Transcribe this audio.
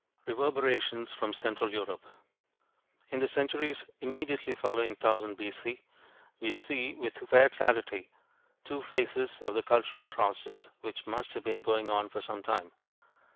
REVERBERATIONS FROM CENTRAL EUROPE In the centuries immediately following 1000 B.C., we see with fair clarity two phases of a cultural process which must have been going on for some time.